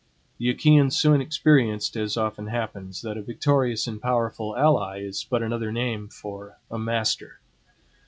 The Achaeans soon experienced, as often happens, that a victorious and powerful ally is but another name for a master.